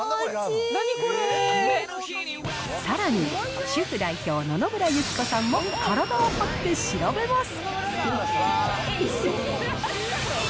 さらに、主婦代表、野々村友妃子さんも、体を張って調べます。